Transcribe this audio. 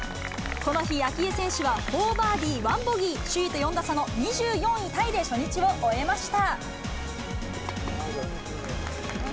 この日、明愛選手は４バーディー１ボギー、首位と４打差の２４位タイで初日を終えました。